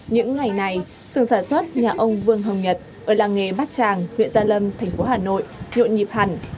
những ngày này sườn sản xuất nhà ông vương hồng nhật ở làng nghề bát tràng huyện gia lâm thành phố hà nội nhộn nhịp hẳn